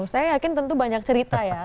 saya yakin tentu banyak cerita ya